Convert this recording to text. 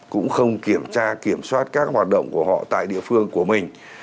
cũng không kiểm tra kiểm soát các hoạt động của họ tại địa phương của mình